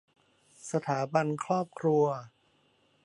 สถาบันครอบครัว